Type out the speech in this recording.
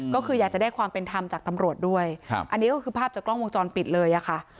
ก็คืออยากจะได้ความเป็นธรรมจากตำรวจด้วยครับอันนี้ก็คือภาพจากกล้องวงจรปิดเลยอะค่ะ